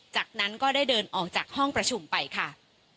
จากนั้นก็ได้เดินออกจากห้องประชุมไปค่ะ